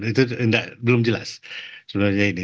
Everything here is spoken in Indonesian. itu belum jelas sebenarnya ini